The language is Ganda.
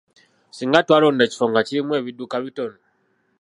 Singa twalonda ekifo nga kirimu ebidduka bitono.